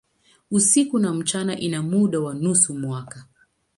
Usiku na mchana ina muda wa nusu mwaka.